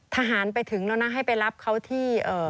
ทหารไปถึงแล้วนะให้ไปรับเขาที่